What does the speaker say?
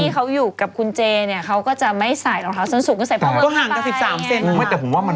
เขาก็เออเขาก็ไปงานไปอะไรของเขา